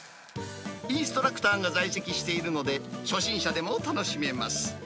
インストラクターが在籍しているので、初心者でも楽しめます。